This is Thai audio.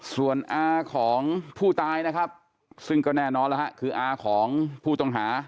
ส่วนอาของผู้ตายนะครับซึ่งก็แน่นอนแล้วฮะคืออาของผู้ต้องหา